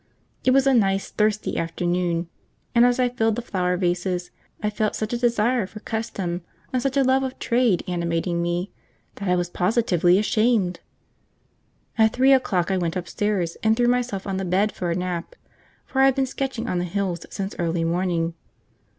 It was a nice thirsty afternoon, and as I filled the flower vases I felt such a desire for custom and such a love of trade animating me that I was positively ashamed. At three o'clock I went upstairs and threw myself on the bed for a nap, for I had been sketching on the hills since early morning.